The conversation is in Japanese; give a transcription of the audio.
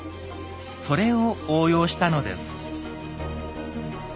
それを応用したのです。